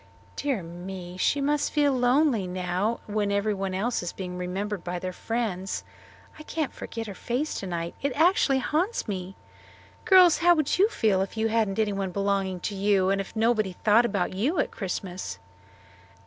"Dear me! She must feel lonely now when everybody else is being remembered by their friends. I can't forget her face tonight; it actually haunts me. Girls, how would you feel if you hadn't anyone belonging to you, and if nobody thought about you at Christmas?"